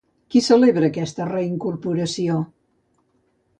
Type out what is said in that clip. Qui celebra aquesta reincorporació?